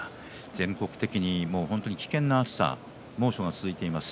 全国的に危険な暑さ、猛暑が続いています。